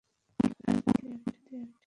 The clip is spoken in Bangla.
ওর নাভিতে একটি কালো জন্মদাগ আছে?